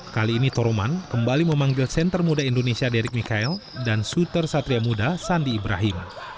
kali ini toroman kembali memanggil center muda indonesia derik mikhail dan suter satria muda sandi ibrahim